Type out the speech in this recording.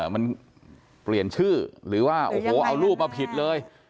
มันเปลี่ยนชื่อหรือว่าโอ้โหเอารูปมาผิดเลย